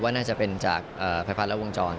ว่าน่าจะเป็นจากภายพันธ์และวงจร